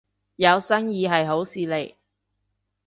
有生意係好事嚟